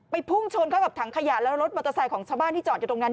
พุ่งชนเข้ากับถังขยะแล้วรถมอเตอร์ไซค์ของชาวบ้านที่จอดอยู่ตรงนั้น